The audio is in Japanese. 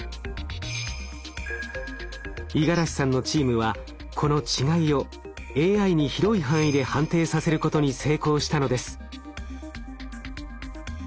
五十嵐さんのチームはこの違いをＡＩに広い範囲で判定させることに成功したのです。